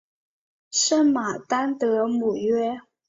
圣马丹德姆约。